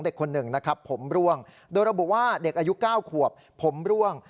เด็กคนหนึ่งนะครับผมร่วงโดยระบุว่าเด็กอายุ๙ขวบผมร่วง